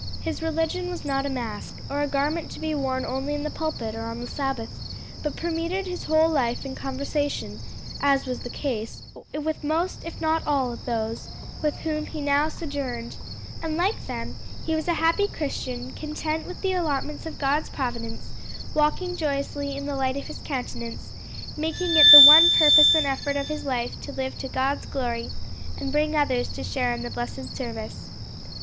His religion was not a mask, or a garment to be worn only in the pulpit or on the Sabbath, but permeated his whole life and conversation; as was the case with most if not all of those with whom he now sojourned; and like them, he was a happy Christian; content with the allotments of God's providence, walking joyously in the light of his countenance, making it the one purpose and effort of his life to live to God's glory and bring others to share in the blessed service.